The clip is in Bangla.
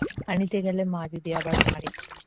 আনিতে গেলে মা যদি আবার মারে?